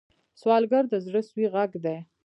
سوالګر د زړه سوې غږ دی